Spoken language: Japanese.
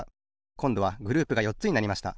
こんどはグループがよっつになりました。